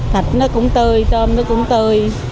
thịt nó cũng tươi tôm nó cũng tươi